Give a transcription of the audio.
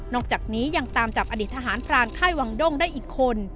อกจากนี้ยังตามจับอดีตทหารพรานค่ายวังด้งได้อีกคน